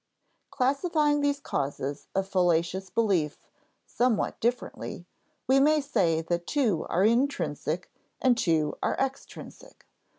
Classifying these causes of fallacious belief somewhat differently, we may say that two are intrinsic and two are extrinsic.